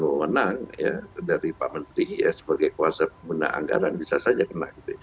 penyalahgunaan menang ya dari pak menteri ya sebagai kuasa pengguna anggaran bisa saja kena